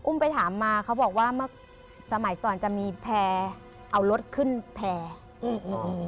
อุ้มไปถามมาเขาบอกว่าสมัยตอนจะมีแพรเอารถขึ้นแพรอืมอืมอืมอืม